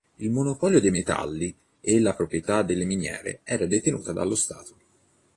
Il monopolio dei metalli e la proprietà delle miniere era detenuta dallo Stato.